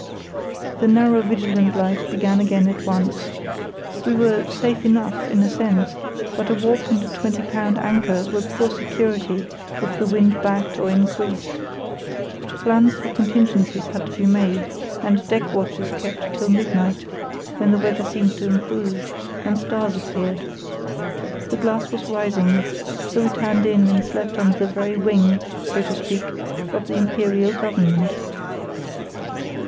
The narrow vigilant life began again at once. We were "safe enough" in a sense, but a warp and a twenty pound anchor were poor security if the wind backed or increased. Plans for contingencies had to be made, and deck watches kept till midnight, when the weather seemed to improve, and stars appeared. The glass was rising, so we turned in and slept under the very wing, so to speak, of the Imperial Government.